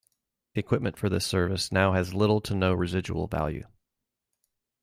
Equipment for this service now has little to no residual value.